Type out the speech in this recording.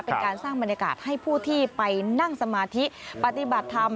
เป็นการสร้างบรรยากาศให้ผู้ที่ไปนั่งสมาธิปฏิบัติธรรม